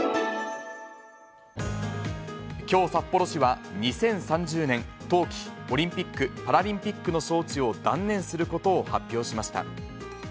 きょう、札幌市は２０３０年冬季オリンピック・パラリンピックの招致を断念することを発表しました。